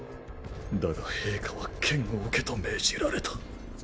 だが陛下は剣を置けと命じられた。